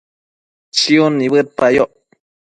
chiun nibëdpayoc